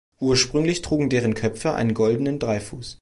Ursprünglich trugen deren Köpfe einen goldenen Dreifuß.